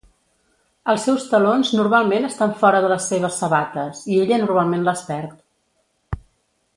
Els seus talons normalment estan fora de les seves sabates, i ella normalment les perd.